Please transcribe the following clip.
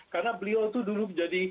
karena beliau itu dulu menjadi